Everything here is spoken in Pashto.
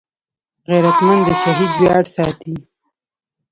غیرتمند د شهید ویاړ ساتي